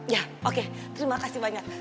ya oke terima kasih banyak